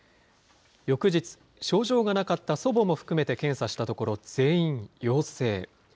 翌日、症状がなかった祖母も含めて検査したところ、全員陽性。